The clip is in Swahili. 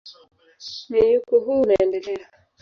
Mmenyuko huo unaendelea.